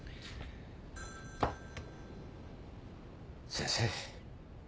☎先生。